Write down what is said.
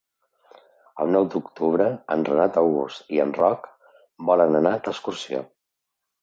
El nou d'octubre en Renat August i en Roc volen anar d'excursió.